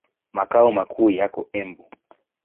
Makao makuu yako Embu.